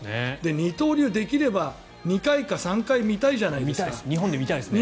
二刀流、できれば２回か３回見たいじゃないですか。